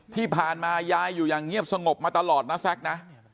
ที่ผ่านมายายอยู่อย่างเงียบสงบมาตลอดนะแซ็กนะ